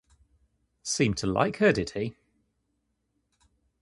Seemed to like her, did he?